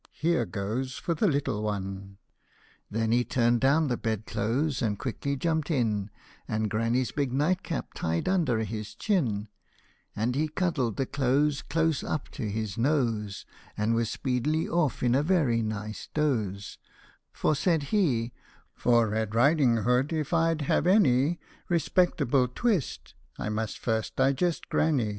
Here goes for the little one !" Then he turned down the bed clothes and quickly jumped in, And granny's big nightcap tied under his chin : And he cuddled the clothes Close up to his nose, And was speedily off in a very nice doze ; For said he, " For Red Riding Hood if I 'd have any Respectable twist I must first digest granny.